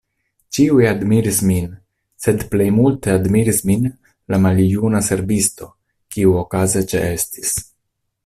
Ĉiuj admiris min, sed plej multe admiris min la maljuna servisto, kiu okaze ĉeestis.